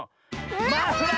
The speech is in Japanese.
マフラー！